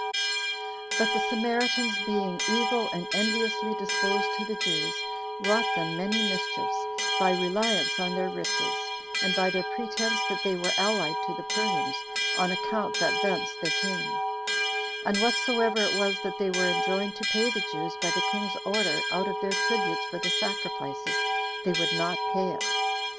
9. 7 But the Samaritans, being evil and enviously disposed to the Jews, wrought them many mischiefs, by reliance on their riches, and by their pretense that they were allied to the Persians, on account that thence they came; and whatsoever it was that they were enjoined to pay the Jews by the king's order out of their tributes for the sacrifices, they would not pay it.